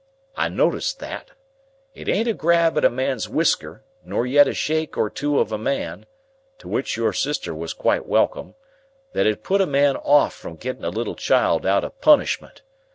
I noticed that. It ain't a grab at a man's whisker, not yet a shake or two of a man (to which your sister was quite welcome), that 'ud put a man off from getting a little child out of punishment.